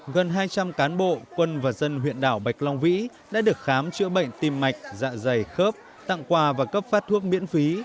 gần hai trăm linh cán bộ quân và dân huyện đảo bạch long vĩ đã được khám chữa bệnh tim mạch dạ dày khớp tặng quà và cấp phát thuốc miễn phí